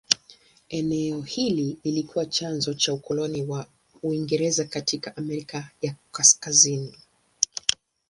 Eneo hili lilikuwa chanzo cha ukoloni wa Uingereza katika Amerika ya Kaskazini.